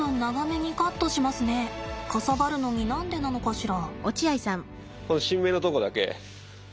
かさばるのに何でなのかしら。